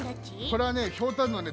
これはねひょうたんのね